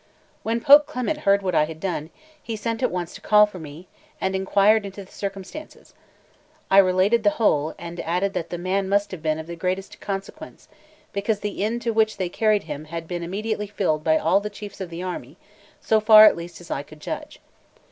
When Pope Clement heard what I had done, he sent at once to call for me, and inquired into the circumstance. I related the whole, and added that the man must have been of the greatest consequence, because the inn to which they carried him had been immediately filled by all the chiefs of the army, so far at least as I could judge.